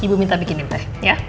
ibu minta bikin impeh ya